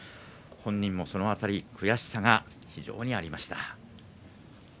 本人もその辺りは悔しさが非常にありました。